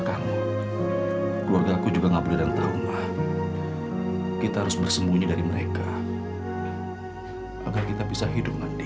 terutama wantina beranjat roda tinggi